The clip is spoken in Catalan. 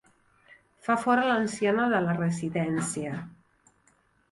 Fa fora l'anciana de la residència.